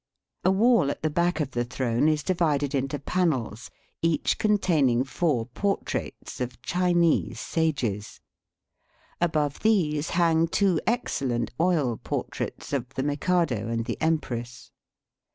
A wall at the back of the throne is divided into panels, each containing four portraits of Chinese sages. Above these hang two ex cellent oil portraits of the Mikado and the empress.